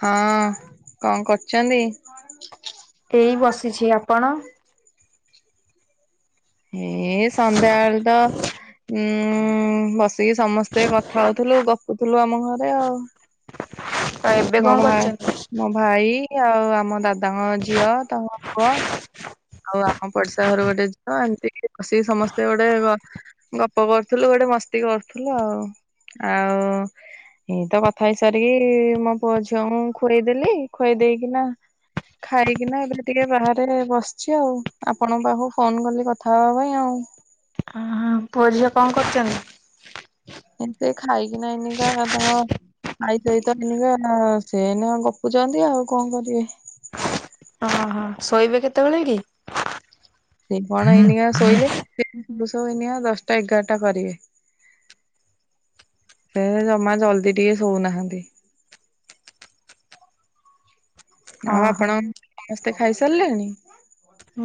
ହଁ କଁ କରୁଚନ୍ତି? ଏଇ ବସିଛି ଆପଣ? ହେଏ ସନ୍ଧ୍ୟା ଆଳୁ ତ। ଉଁ ବସିକି ସମସ୍ତେ କଥା ହୋଉଥୁଲୁ ଗପୁଥୁଲୁ ଆମ ଘରେ ଆଉ। ଆଉ ଏବେ ମୋ କଣ ଭା କରୁଛନ୍ତି? ମୋ ଭାଇ ଆଉ ଆମ ଦାଦାଙ୍କ ଝିଅ ତାଙ୍କ ପୁଅ। ଆଉ ଆମ ପଡିଶା ଘର ଗୋଟେ ଝିଅ ଏମିତି ବସିକି ସମସ୍ତେ ଗୋଟେ ଗ ଗପ କରୁଥୁଲୁ ଗୋଟେ ମସ୍ତି କରୁଥୁଲୁ ଆଉ ଆଉ। ଏଇ ତ କଥା ହେଇସାରିକି ମୋ ପୁଅ ଝିଅଙ୍କୁ ଖୁଏଇଦେଲି ଖୁଆଇଦେଇକିନା ଖାଇକିନା ଏବେ ଟିକେ ବାହାରେ ବସିଛି ଆଉ ଆପଣଙ୍କ ପାଖକୁ ଫୋନ୍ କଲି କଥା ହବା ପାଇଁ ଆଉ। ହୁଁ ପୁଅ ଝିଅ କଁ କରୁଚନ୍ତି? ଏବେ ଖାଇକିନା ଏଇନିକା ବାଦାମ ଆଇ ସହିତ ଏଇନିକା ସେ ଏଇନା ଗପୁଚନ୍ତି ଆଉ କଁ କରିବେ। ଅଃ ଶୋଇବେ କେତୋବୋଳେ କି? ସେ କଣ ଏଇନୀକା ଶୋଇଲେ [unintelligible] ଏଇନିକା ଦଶଟା ଏଗାରଟା କରିବେ। ସେ ହେ ଜମା ଜଲ୍ଦି ଟିକେ ଶୋଉନାହାନ୍ତି। ଆଉ ଓହୋ ଆପଣ ସମସ୍ତେ ଖାଇ ସାରିଲେଣି?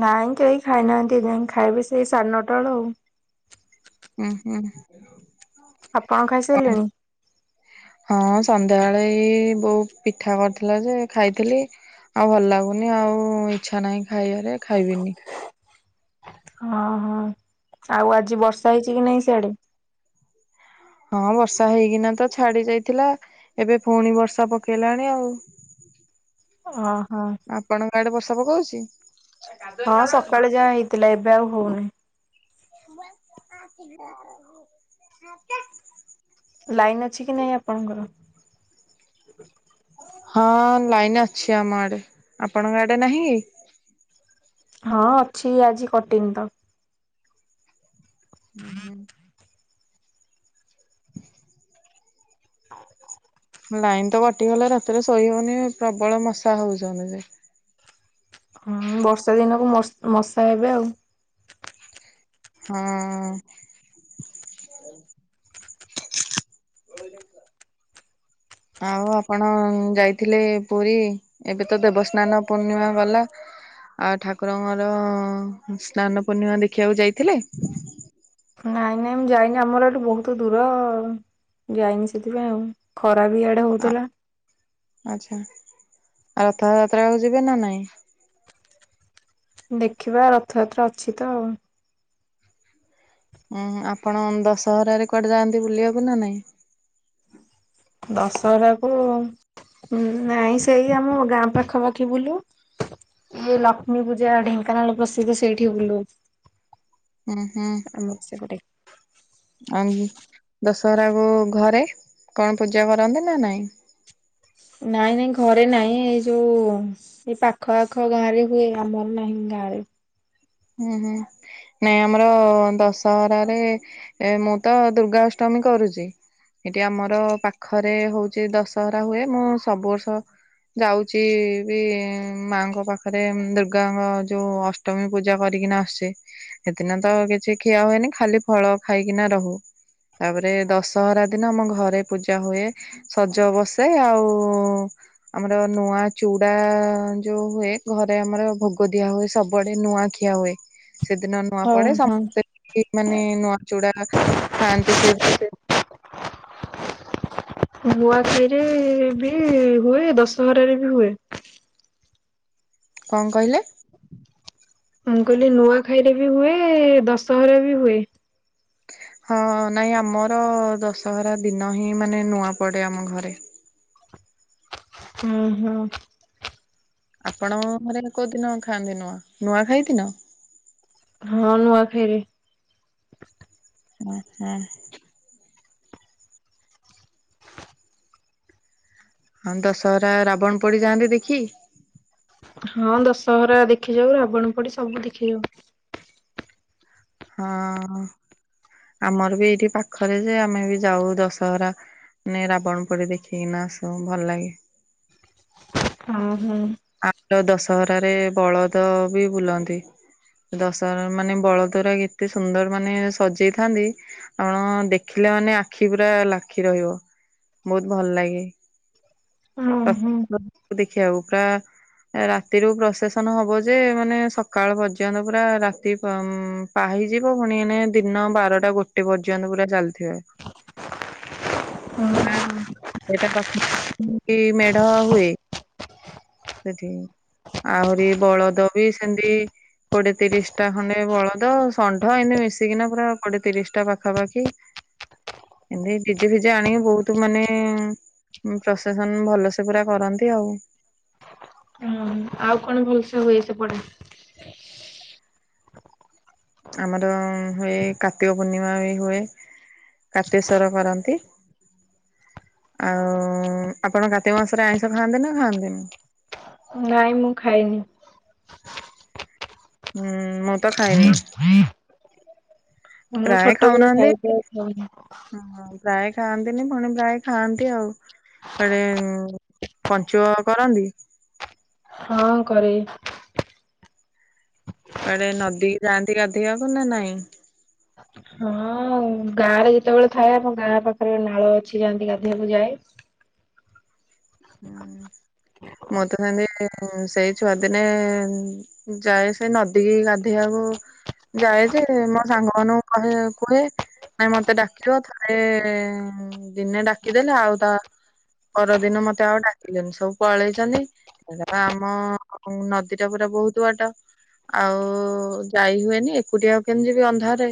ନାଇଁ କେହି ଖାଇନାହାନ୍ତି ଏଯାଏଁ ଖାଇବେ ସେଇ ସାଢ଼େ ନଅଟା ଆଳୁ। ଉଁହୁଁ। ଆପଣ ଖାଇସାରିଲେଣି? ହଁ ସନ୍ଧ୍ୟାବେଳେ ଏଇ ବୋଉ ପିଠା କରିଥିଲା ଯେ ଖାଇଥିଲି। ଆଉ ଭଲ ଲାଗୁନି ଆଉ ଇଚ୍ଛା ନାହିଁ ଖାଇବାରେ ଖାଇବିନି। ହଁ ହଁ ଆଉ ଆଜି ବର୍ଷା ହେଇଚି କି ନାଇଁ ସ୍ୟାଡେ? ହଁ ବର୍ଷା ହେଇକିନା ତ ଛାଡି ଯାଇଥିଲା ଏବେ ପୁଣି ବର୍ଷା ପକେଇଲାଣି ଆଉ। [inaudible] ଅଃ। ଆପଣଙ୍କ ଆଡେ ବର୍ଷା ପକୋଉଚି? ହଁ ସକାଳେ ଯାହା ହେଇଥିଲା ଏବେ ଆଉ ହୋଉନି। [unintelligible] ଲାଇନ୍ ଅଛି କି ନାହିଁ ଆପଣଙ୍କର? ହଁ ଲାଇନ୍ ଅଛି ଆମ ଆଡେ ଆପଣଙ୍କ ଆଡେ ନାହିଁ କି? ହଁ ଅଛି ଆଜି କଟିନି ତ। ଉଁହୁଁ। [inaudible] [inaudible] ଲାଇନ୍ ତ କଟିଗଲେ ରାତିରେ ଶୋଇହୋଉନି ପ୍ରବଳ ମଶା ହୋଉଚନ୍ତି ଯେ। ହଁ ବର୍ଷା ଦିନକୁ ମସ୍ ମଶା ହେବେ ଆଉ। ହଁ। ଆଉ ଆପଣ ଯାଇଥିଲେ ପୁରୀ ଏବେ ତ ଦେବସ୍ନାନ ପୂର୍ଣ୍ଣିମା ଗଲା। ଆଉ ଠାକୁରଙ୍କର ସ୍ନାନ ପୂର୍ଣ୍ଣିମା ଦେଖିବାକୁ ଯାଇଥିଲେ? ନାଇଁ ନାଇଁ ମୁଁ ଯାଇନି ଆମର ଏଠୁ ବୋହୁତୁ ଦୂର। ଯାଇନି ସେଥିପାଇଁ ଆଉ ଖରା ବି ଇଆଡେ ହୋଉଥୁଲା। ଆଚ୍ଛା ଆଉ ରଥଯାତ୍ରାକୁ ଯିବେ ନା ନାଇଁ? ଦେଖିବା ରଥଯାତ୍ରା ଅଛି ତ ଆଉ। ଉଁ ଆପଣ ଦଶହରାରେ କୁଆଡେ ଯାଆନ୍ତି ବୁଲିବାକୁ ନା ନାଇଁ? ଦଶହରାକୁ ହୁଁ ନାଇଁ ସେଇ ଆମ ଗାଁ ପାଖାପାଖି ବୁଲୁ। ଇଏ ଲକ୍ଷ୍ମୀ ପୂଜା ଢେଙ୍କାନାଳ ପ୍ରସିଦ୍ଧ ସେଇଠି ବୁଲୁ। ଉଁ ହୁଁ। ଆମର ସେପଟେ ଆଙ୍ଗୁ ଦଶହରା କୁ ଘରେ କଣ ପୂଜା କରନ୍ତି ନା ନାଇଁ? ନାଇଁ ନାଇଁ ଘରେ ନାଇଁ ଏଇ ଯୋଉ ସେଇ ପାଖ ଆଖ ଗାଁରେ ହୁଏ ଆମର ନାହିଁ ଗାଁରେ। ଉଁ ହୁଁ। ନାଇଁ ଆମର ଦଶହରାରେ ମୁଁ ତ ଦୁର୍ଗା ଅଷ୍ଟମୀ କରୁଚି। ଏଠି ଆମର ପାଖରେ ହଉଚି ଦଶହରା ହୁଏ ମୁଁ ସବୁ ବର୍ଷ ଯାଉଚି ବି ମାଙ୍କ ପାଖରେ ଦୁର୍ଗାଙ୍କ ଯୋଉ ଅଷ୍ଟମୀ ପୂଜା କରିକିନା ଆସେ ହେ ଦିନ ତ କିଛି ଖିଆ ହୁଏନି ଖାଲି ଫଳ ଖାଇକିନା ରହୁ। ତାପରେ ଦଶହରା ଦିନ ଆମ ଘରେ ପୂଜା ହୁଏ। ସଜ ବସେ ଆଉ ଆମର ନୂଆ ଚୁଡା ଯୋଉ ହୁଏ ଘରେ ଆମର ଭୋଗ ଦିଆ ହୁଏ ସବୁଆଡେ ନୂଆ ଖିଆ ହୁଏ। ସେଦିନ ନୂଆ ହଁ ପଡେ ହଁ ସମସ୍ତେ ମାନେ ନୂଆ ଚୁଡା ଖାଆନ୍ତି ସେ [inaudible] ନୂଆ ଖାଇରେ ବି ହୁଏ ଦଶହରାରେ ବି ହୁଏ। କଣ କହିଲେ ମୁଁ କହିଲି ନୂଆ ଖାଇରେ ବି ହୁଏ ଦଶହରା ବି ହୁଏ। ହଁ ନାଇଁ ଆମର ଦଶହରା ଦିନ ହିଁ ମାନେ ନୂଆ ପଡେ ଆମ ଘରେ। ହୁଁ ହୁଁ। ଆପଣ ଘରେ କୋଉଦିନ ଖାଆନ୍ତି ନୂଆ ନୂଆ ଖାଇ ଦିନ। ହଁ ନୂଆଖାଇରେ। ଆଁ ହାଁ। ହଁ ଦଶହରା ରାବଣ ପଡିଯାଆନ୍ତି ଦେଖି। ହଁ ଦଶହରା ଦେଖି ଯାଉ ରାବଣ ପଡି ସବୁ ଦେଖି ଯାଉ। ହଁ ଆମର ବି ଏଇଠି ପାଖରେ ଯେ ଆମେ ବି ଯାଉ ଦଶହରା। ମେରା କଣ ପଡେ ଦେଖିକିନା ଆସୁୁ ଭଲ ଲାଗେ। ହଁ ହୁଁ। ଆଦ ଦଶହରାରେ ବଳଦ ବି ବୁଲନ୍ତି। ଦଶହ ମାନେ ବଳଦରା ଏତେ ସୁନ୍ଦର ମାନେ ସଜେଇଥାନ୍ତି। ଆପଣ ଦେଖିଲା ମାନେ ଆଖି ପୁରା ଲାଖି ରହିବ। ବହୁତ ଭଲ ଲାଗେ ହଁ ହଁ ଦେଖିବାକୁ ପୁରା ରାତିରୁ ପ୍ରସେସନ ହବ ଯେ ମାନେ ସକାଳ ପର୍ଯ୍ୟନ୍ତ ପୁରା ରାତି ପ ପାହିଯିବ ପୁଣି ଏନେ ଦିନ ବାରଟା ଗୋଟେ ପର୍ଯ୍ୟନ୍ତ ପୁରା ଚାଲିଥିବ। ସେଇଟା ପାଖ କି ମେଢ ହୁଏ। ସେଠି ଆହୁରି ବଳଦ ବି ସେମିତି କୋଡିଏ ତିରିଶ ଟା ଖଣ୍ଡେ ବଳଦ ଷଣ୍ଢ ଏମିତି ମିଶିକିନା ପୁରା କୋଡିଏ ତିରିଶ ଟା ପାଖାପାଖି ଏମତି ଡିଜେ ଫିଜେ ଆଣିକି ବହୁତ ମାନେ ପ୍ରସେସନ ଭଲସେ ପୁରା କରନ୍ତି ଆଉ। ହଁ ଆଉ କଣ ଭଲସେ ହୁଏ ସେପଟେ। ଆମର ହୁଏ କାର୍ତ୍ତିକ ପୂର୍ଣ୍ଣିମା ବି ହୁଏ। କାର୍ତ୍ତୀକେଶ୍ଵର କରନ୍ତି। ଆଉ ଆପଣ କାତିକ ମାସରେ ଆଇଁଷ ଖାଆନ୍ତି ନା ଖାଆନ୍ତିନି। ନାଇଁ ମୁଁ ଖାଇନି। ହୁଁ ମୁଁ ତ ଖାଇନି। ମୁଁ ପ୍ରାୟ ଖାଉ ଛୋଟବେଳେ ନାହାଁନ୍ତି ଖାଇଛି ଆଉ ଖାଉନି। ଅହ। ପ୍ରାୟ ଖାଆନ୍ତିନି ପୁଣି ପ୍ରାୟ ଖାଆନ୍ତି ଆଉ। ତାରେ ପଞ୍ଚୁକ କରନ୍ତି। ହଁ କରେ। କୁଆଡେ ନଦୀ କି ଯାଆନ୍ତି ଗାଧେଇିବାକୁ ନା ନାଇଁ? ହଁ ଗାଁ ରେ ଯେତେବେଳେ ଥାଏ ଆମ ଗାଁ ପାଖରେ ନାଳ ଅଛି ଯାଆନ୍ତି ଗାଧୋଇବାକୁ ଯାଏ। [inaudible] ହୁଁ ମୁଁତ କାଇଁବି ହୁଁ ସେଇ ଛୁଆ ଦିନେ ଯାଏ ସେ ନଦୀ କି ଗାଧେଇଆକୁ। ଯାଏ ଯେ ମୋ ସାଙ୍ଗ ମାନଙ୍କୁ କହେ କୁହେ। ନାଇଁ ମତେ ଡାକିବ ଥରେ ଦିନେ ଡାକିଦେଲେ ଆଉ ତା ପର ଦିନ ମତେ ଆଉ ଡାକିଲେନି ସବୁ ପଳେଇଛନ୍ତି କାରଣ ଆମ ନଦୀଟା ପୁରା ବହୁତ ବାଟ। ଆଉ ଯାଇ ହୁଏନି ଏକୁଟିଆ ଆଉ କେମିତିି ଯିବି ଅନ୍ଧାରରେ।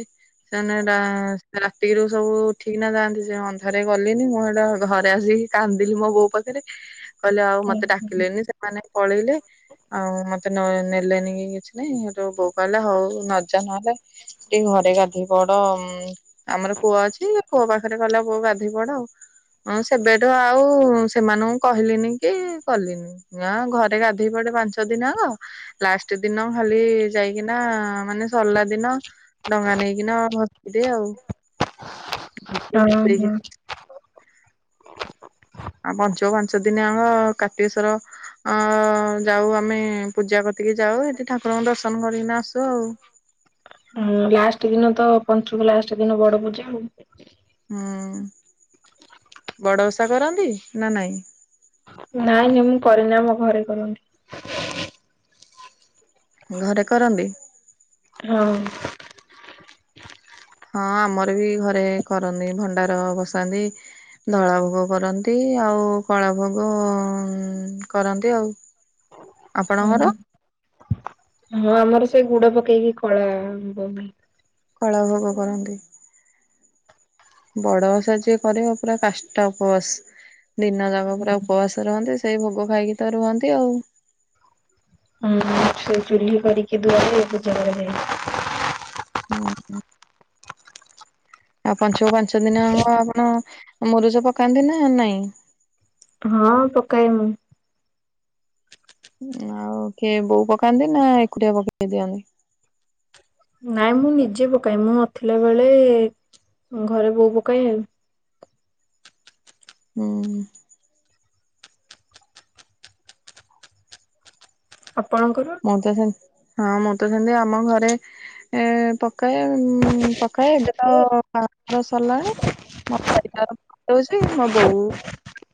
ସେମାନେ ଟା ରାତିରୁ ସବୁ ଉଠିକି ନା ଯାଆନ୍ତି ସେ ଅନ୍ଧାରେ ଗଲିନି ମୁଁ ଏଟା ଘରେ ଆସିକି କାନ୍ଦିଲି ମୋ ବୋଉ ପାଖରେ କହିଲେ ଆଉ ମତେ ଡାକିଲେନି ସେମାନେ ପଳେଇଲେ। ଆଉ ମତେ ନ ନେଲେନି କି କିଛି ନାଇଁ ହେଠୁ ବୋଉ କହିଲା ହଉ ନଜା ନହେଲେ। ଟିକେ ଘରେ ଗାଧେଇ ପଡ ଆମର କୂଅ ଅଛି ସେ କୁଅ ପାଖରେ କହିଲା ବୋଉ ଗାଧେଇ ପଡ ଆଉ ସେବେଠୁ ଆଉ ସେମାନଙ୍କୁ କହିଲିନି କି କଲିନି ଆ ଘରେ ଗାଧେଇ ପଡେ ପାଞ୍ଚ ଦିନ ଆକ ଲାଷ୍ଟ ଦିନ ଖାଲି ଯାଇକିନା ମାନେ ସରିଲା ଦିନ ଡଙ୍ଗା ନେଇକିନା ଭସେଇଦିଏ ଆଉ ଅ ଭସେଇକି ହଁ ଆଉ ପଞ୍ଚୁକ ପାଞ୍ଚ ଦିନ ଆଙ୍କ କାର୍ତ୍ତୀକେଶ୍ଵର ଅ ଯାଉ ଆମେ ପୂଜା କତିକି ଯାଉ ସେଠି ଠାକୁରଙ୍କୁ ଦର୍ଶନ କରିକିନା ଆସୁ ଆଉ ହୁଁ ଲାଷ୍ଟ ଦିନ ତ ପଞ୍ଚୁକ ଲାଷ୍ଟ ଦିନ ବଡ ପୂଜା ଆଉ ହୁଁ ବଡ଼ ଓଷା କରନ୍ତି? ନା ନାଇଁ ନାଇଁ ନାଇଁ ମୁଁ କରେନି ଆମ ଘରେ କରନ୍ତି ଘରେ କରନ୍ତି ହଁ ହଁ ଆମର ବି ଘରେ କରନ୍ତି ଭଣ୍ଡାର ବସାନ୍ତି ଧଳା ଭୋଗ କରନ୍ତି ଆଉ କଳା ଭୋଗ କରନ୍ତି ଆଉ [inaudible] ହୁଁ ହଁ ଆମର ସେ ଗୁଡ ପକେଇକି କଳା ବନି କଳା ଭୋଗ କରନ୍ତି। ବଡଓଷା ଜିଏ କରିବ ପୁରାକାଷ୍ଟା ଉପବାସ। ଦିନ ଯାକ ପୁରା ଉପବାସ ରୁହନ୍ତି ସେଇ ଭୋଗ ଖାଇକି ତ ରୁହନ୍ତି ଆଉ। ହୁଁ ସେ ଚୁ୍ଲି କରିକି ଧୁଆଧୁଇ ହେଇ ପୂଜା କରାଯାଏ। ହୁଁ ହୁଁ। ଆଉ ପାଞ୍ଚୁକପାଞ୍ଚ ଦିନ ଆପଣ ମୁରୁଜ ପକାନ୍ତି ନା ନାଇଁ ହଁ ପକାଏ ମୁଁ। ଆଉ କିଏ ବୋଉ ପକାନ୍ତି ନା ଏକୁଟିଆ ପକେଇ ଦିଅନ୍ତି ନାଇଁ ମୁଁ ନିଜେ ପକାଏ ମୁଁ ନଥିଲା ବେଳେ ଘରେ ବୋଉ ପକାଏ ଆଉ ହୁଁ ଉଁ। ଆପଣଙ୍କର? ମୁଁ ତ ସେ ହଁ ମୁଁ ତ ସେମତି ଆମ ଘରେ ଏଁ ପକାଏ ଉଁ ପକାଏ ଏବେ ତ ବାହାଘର ସରିଲାଣି। ମ [inaudible] ପକଉଛି ମୋ ବୋଉ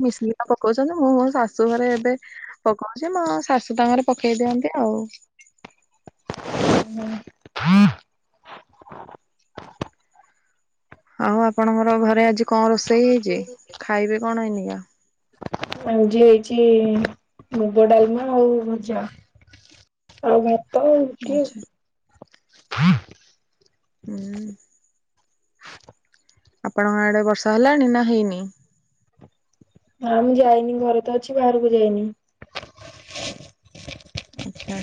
ମିଶିକିନା ପକଉଛନ୍ତି ମୁଁ ମୋ ଶାଶୁ ଘରେ ଏବେ ପକଉଛି ମୋ ଶାଶୁ ତାଙ୍କର ପକେଇ ଦିଅନ୍ତି ଆଉ। ହୁଁ। ହୁଁ [inaudible] ଆଉ ଆପଣଙ୍କର ଘରେ ଆଜି କଣ ରୋଷେଇ ହେଇଛି ଖାଇବେ କଣ [unintelligible] ଆଜି ହେଇଛି ମୁଗ ଡାଲମା ଆଉ ଭଜା ଆଉ ଆଛା [unintelligible] ହୁଁ। ଆପଣଙ୍କ ଆଡେ ବର୍ଷା ହେଲାଣି ନା ହେଇନି? ନାଁ ମୁଁ ଯାଇନି ଘରେ ତ ଅଛି ବାହାରକୁ ଯାଇନି। ଆଚ୍ଛା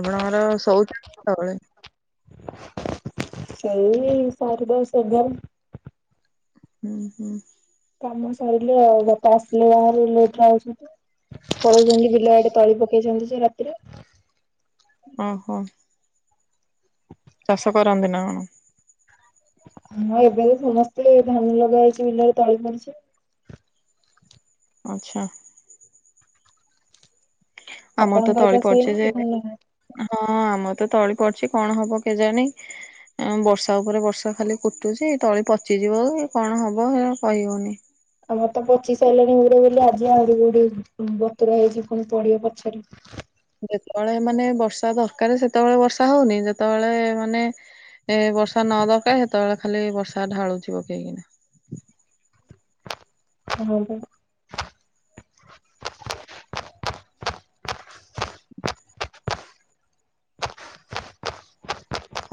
ଆପଣଙ୍କର [unintelligible] ସେଇ ସାଢ଼େ ଦଶ୍ ଏଗାର। ହୁଁ-ହୁଁ। କାମ ସରିଲେ ଆଉ ବାପା ଆସିଲେ ବାହରୁ ଲେଟ୍ ରେ [unintelligible] ପଳଉଚନ୍ତି ବିଲାଆଡେ ତଳି ପକେଇଚନ୍ତି ସେ ରାତିରେ। ଓହୋ। ଚାଷ କରନ୍ତି ନା କଣ? ହଁ ଏବେ ତ ସମସ୍ତେ ଧାନ ଲଗା ହେଇଛି ବିିଲରେ ତଳି ପଡିଛି। ଆଚ୍ଛା। ଆମର ତ ଆପଣଙ୍କର ତଳି ଚାଷ ପଡିଛି ହେଇନି ଯେ, କି ଧାନ? ହଁ ଆମର ତ ତଳି ପଡିଛି କଣ ହବ କେଜାଣି। ଉନ୍ ବର୍ଷା ଉପରେ ବର୍ଷା ଖାଲି କୁଟୁଚି ତଳି ପଚିଯିବ କି କଣ ହବ କହିହଉନି। ଆମର ତ ପଚିସାଇଲାଣି ଗୁଡ଼ିଏ ବୋଲି ଆଜି ଆହୁରି ଗୁଡ଼ିଏ ବତୁରା ହେଇଛି ପୁଣି ପଡିବ ପଛରେ। ଯେତବଳେ ମାନେ ବର୍ଷା ଦରକାରେ ସେତବଳେ ବର୍ଷା ହଉନି ଯେତବଳେ ମାନେ ଏ ବର୍ଷା ନ ଦରକାର ସେତେବେଳେ ଖାଲି ବର୍ଷା ଢାଳୁଛି ପକେଇକିନା। ହଁ ବା। ଆ୍ [inaudible]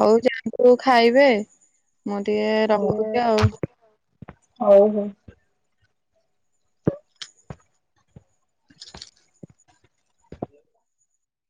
ହଉ ଯାଆନ୍ତୁ ଖାଇବେ, ମୁଁ ଟିକେ ରଖୁଚି ଆଉ। ହଉ-ହଉ।